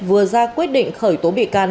vừa ra quyết định khởi tố bị can